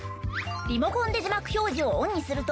リモコンで字幕表示をオンにすると。